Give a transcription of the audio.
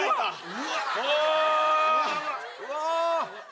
うわ！